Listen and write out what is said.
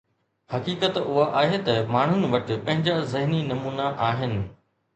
حقيقت اها آهي ته ماڻهن وٽ پنهنجا ذهني نمونا آهن.